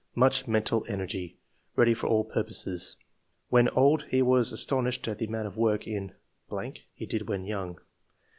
Much mental energy; ready for all purposes. When old he was astonished at the amount of work in .... he did when young.